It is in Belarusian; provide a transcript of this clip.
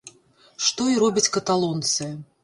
Што і робяць каталонцы.